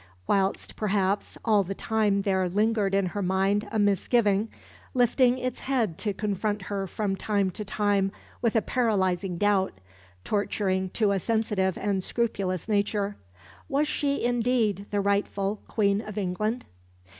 Whilst, perhaps, all the time there lingered in her mind a misgiving, lifting its head to confront her from time to time with a paralysing doubt, torturing to a sensitive and scrupulous nature; was she indeed the rightful Queen of England?